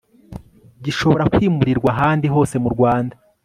gishobora kwimurirwa ahandi hose mu rwanda